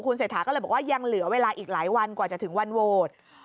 เศรษฐาก็เลยบอกว่ายังเหลือเวลาอีกหลายวันกว่าจะถึงวันโหวต